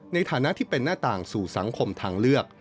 ในฐานะที่เป็นหน้าต่างสู่สังคมทางเลือก